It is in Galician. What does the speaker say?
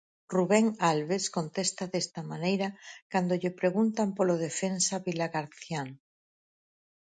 Rubén Albes contesta desta maneira cando lle preguntan polo defensa vilagarcián.